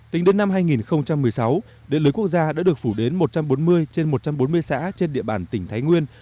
tính đến năm hai nghìn một mươi sáu điện lưới quốc gia đã được phủ đến một trăm bốn mươi trên một trăm bốn mươi xã trên địa bàn tỉnh thái nguyên